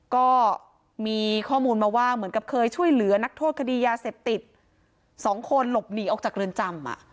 ก็มีข้อมูลมาว่าเหมือนกับเคยช่วยเหลือนักโทษคดียาเสพติด๒คนหลบหนีออกจากเรือนจำ